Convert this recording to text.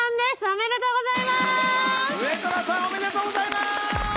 おめでとうございます！